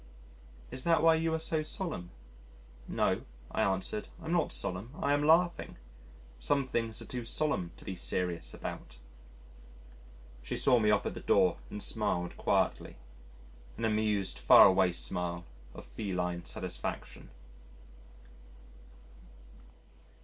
"Is that why you are so solemn?" "No," I answered, "I'm not solemn, I am laughing some things are too solemn to be serious about." She saw me off at the door and smiled quietly an amused faraway smile of feline satisfaction....